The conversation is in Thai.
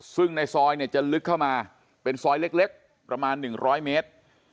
ซึ่งในซอยเนี่ยจะลึกเข้ามาเป็นซอยเล็กประมาณ๑๐๐เมตร